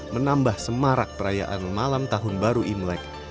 menambah semarak perayaan malam tahun baru imlek